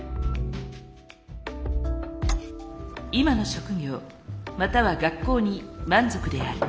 今の職業または学校に満足である。